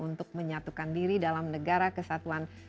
untuk menyatukan diri dalam negara kesatuan